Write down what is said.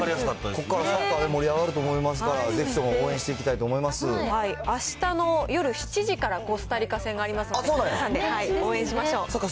ここからサッカーで盛り上がると思いますから、ぜひとも応援あしたの夜７時からコスタリカ戦がありますので皆さんで応援しましょう。